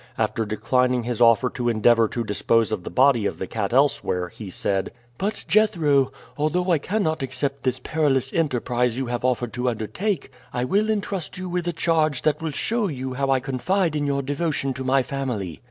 After declining his offer to endeavor to dispose of the body of the cat elsewhere he said: "But, Jethro, although I cannot accept this perilous enterprise you have offered to undertake, I will intrust you with a charge that will show you how I confide in your devotion to my family.